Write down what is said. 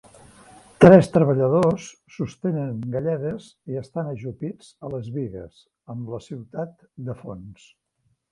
Tres treballadors sostenen galledes i estan ajupits a les bigues amb la ciutat de fons.